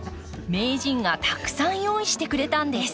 名人がたくさん用意してくれたんです。